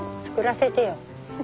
作らせてよ。